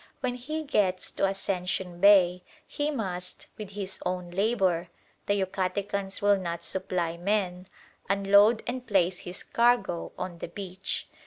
When he gets to Ascension Bay, he must, with his own labour (the Yucatecans will not supply men), unload and place his cargo on the beach.